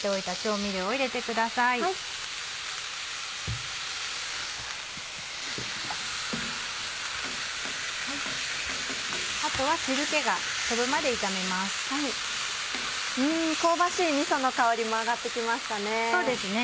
うん香ばしいみその香りも上がって来ましたね。